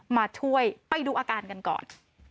มาช่วยไปดูอาการกันก่อน